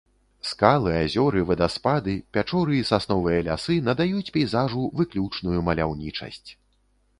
Скалы, азёры, вадаспады, пячоры і сасновыя лясы надаюць пейзажу выключную маляўнічасць.